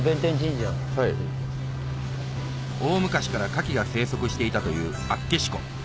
大昔からカキが生息していたという厚岸湖